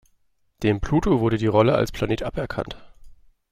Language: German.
Dem Pluto wurde die Rolle als Planet aberkannt.